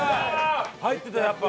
入ってたやっぱ。